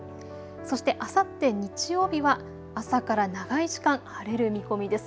そしてあさって日曜日は朝から長い時間、晴れる見込みです。